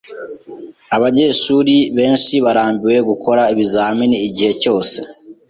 Abanyeshuri benshi barambiwe gukora ibizamini igihe cyose.